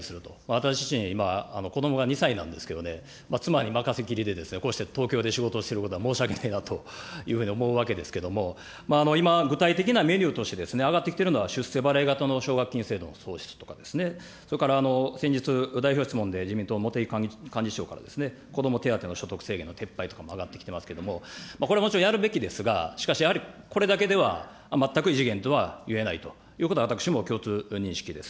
私自身、子どもが２歳なんですけどね、妻に任せきりで、こうして東京で仕事をしていることが申し訳ないなというふうに思うわけですけれども、今、具体的なメニューとして挙がってきてるのは、出世払い型の奨学金制度創設とか、それから先日、代表質問で自民党の茂木幹事長から子ども手当の所得制限は撤廃とかも挙がってきますけれどもけれども、これはもちろんやるべきですが、しかしやはりこれだけでは、全く異次元とは言えないということは、私も共通認識です。